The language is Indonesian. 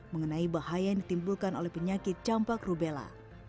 mengenai bahaya yang ditimbulkan oleh penyakit campak rubella